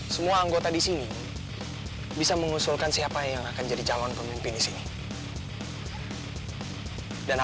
semua anggota disini bisa mengusulkan siapa yang akan jadi capai warianya